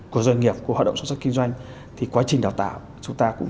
của doanh nghiệp của hoạt động xuất sắc kinh doanh thì quá trình đào tạo chúng ta cũng